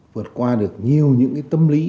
vượt qua được nhiều những tâm lý